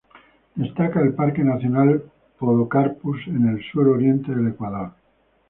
Destaca el Parque nacional Podocarpus en el sur oriente del Ecuador.